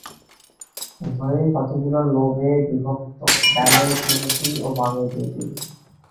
উভয়ই কতগুলো লোব-এ বিভক্ত, ডানে তিনটি এবং বামে দুটি।